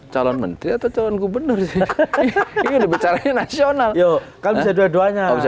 calon menteri atau calon gubernur ini lebih caranya nasional yuk kalian dua duanya bisa